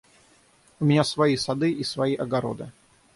У меня свои сады и свои огороды.